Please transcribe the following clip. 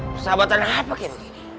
persahabatan apa kayak gini